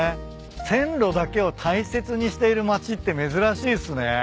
線路だけを大切にしている町って珍しいっすね。